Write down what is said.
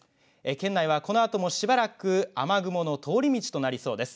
県内は、このあともしばらく雨雲の通り道となりそうです。